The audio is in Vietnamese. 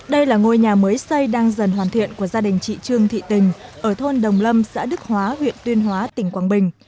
đây là ngôi nhà mới xây đang dần hoàn thiện của gia đình chị trương thị tình ở thôn đồng lâm xã đức hóa huyện tuyên hóa tỉnh quảng bình